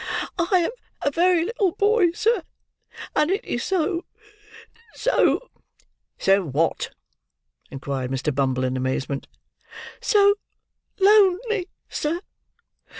I am a very little boy, sir; and it is so—so—" "So what?" inquired Mr. Bumble in amazement. "So lonely, sir!